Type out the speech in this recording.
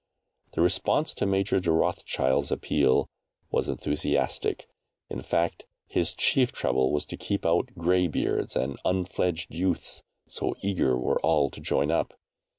The response to Major de Rothschild's appeal was enthusiastic in fact his chief trouble was to keep out grey beards and unfledged youths, so eager were all to join up.